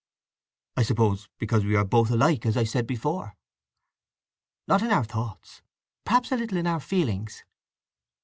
"I suppose because we are both alike, as I said before." "Not in our thoughts! Perhaps a little in our feelings."